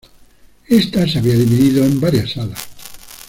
Esta se había dividido en varias salas.